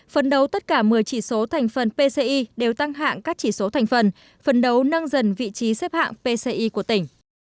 phấn đấu tất cả một mươi chỉ số thành phần pci đều tăng hạng các chỉ số thành phần phấn đấu nâng dần vị trí xếp hạng pci của tỉnh